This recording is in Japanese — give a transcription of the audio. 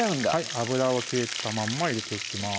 油を切ったまんま入れていきます